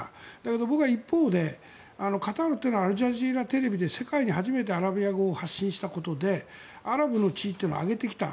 僕は一方でカタールというのはアルジャジーラテレビで世界に初めてアラビア語を発信したことでアラブの地位を上げてきた。